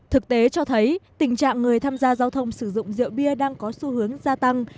thực tế cho thấy tình trạng người tham gia giao thông sử dụng rượu bia đang có xu hướng gia tăng